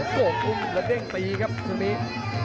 โก้อุ้มและเด้งตีครับทุกครู่นี้